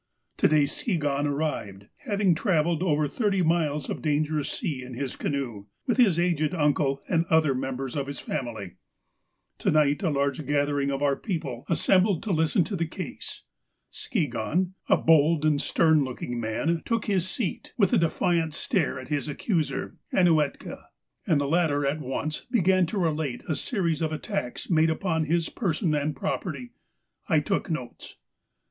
To day Skigahn arrived, having travelled over thirty miles of dangerous sea in his canoe, with his aged uncle and other members of his family. "To night a large gathering of our people assembled to 312 THE APOSTLE OF ALASKA listen to the case. Skigahn — a bold and stern looking man, took his seat, with a defiant stare at his accuser, Ainuetka, and the latter at once began to relate a series of attacks made upon his person and property. I took notes.